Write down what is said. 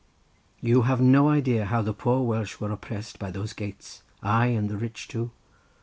You have no idea how the poor Welsh were oppressed by those gates, aye, and the rich too.